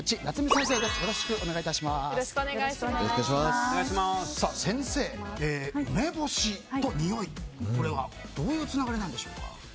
先生、梅干しとにおいこれはどういうつながりですか。